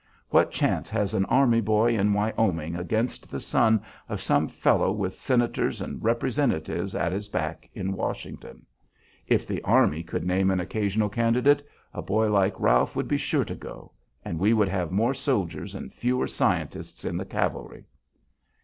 What chance has an army boy in Wyoming against the son of some fellow with Senators and Representatives at his back in Washington? If the army could name an occasional candidate, a boy like Ralph would be sure to go, and we would have more soldiers and fewer scientists in the cavalry."